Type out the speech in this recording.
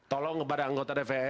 tolong kepada anggota dpr